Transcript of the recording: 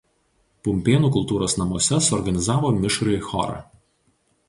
Pumpėnų kultūros namuose suorganizavo mišrųjį chorą.